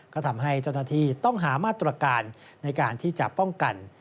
ก็ทำให้เจ้าหน้าที่ต้องหามาตรการในการที่จะป้องกัน